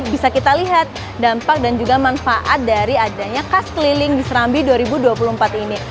bisa kita lihat dampak dan juga manfaat dari adanya kas keliling di serambi dua ribu dua puluh empat ini